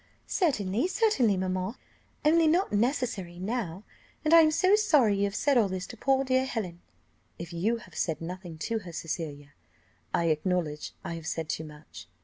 "Certainly, certainly, mamma, only not necessary now; and I am so sorry you have said all this to poor dear Helen." "If you have said nothing to her, Cecilia, I acknowledge I have said too much."